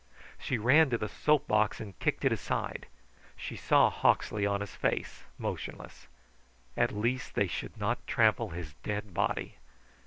She ran to the soapbox and kicked it aside. She saw Hawksley on his face, motionless. At least they should not trample his dead body.